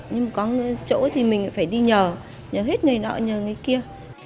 nhưng có chỗ thì mình phải đi nhờ nhờ hết người đó nhờ người kia